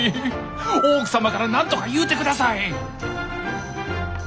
大奥様から何とか言うてください！